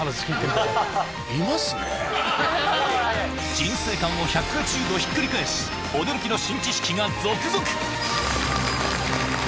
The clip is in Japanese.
人生観を１８０度ひっくり返す驚きの新知識が続々！